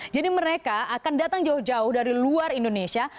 jadi mereka akan datang jauh jauh dari luar indonesia